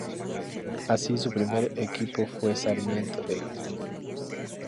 Así su primer equipo fue Sarmiento de Junín.